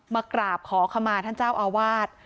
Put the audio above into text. มากราบขอขมาท่านเจ้าอาวาส